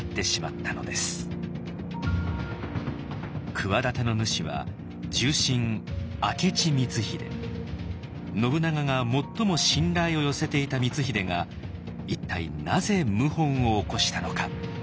企ての主は重臣信長が最も信頼を寄せていた光秀が一体なぜ謀反を起こしたのか。